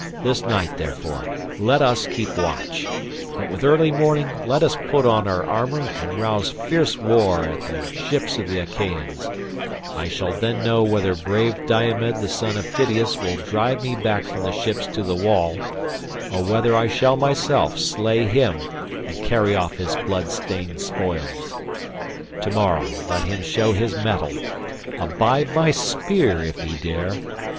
This night, therefore, let us keep watch, but with early morning let us put on our armour and rouse fierce war at the ships of the Achaeans; I shall then know whether brave Diomed the son of Tydeus will drive me back from the ships to the wall, or whether I shall myself slay him and carry off his blood stained spoils. To morrow let him show his mettle, abide my spear if he dare.